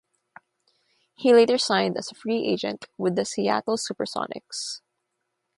He later signed as a free agent with the Seattle SuperSonics.